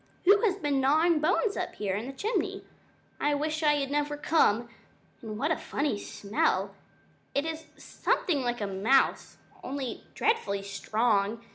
"Who has been gnawing bones up here in the chimney? I wish I had never come! And what a funny smell? It is something like mouse, only dreadfully strong.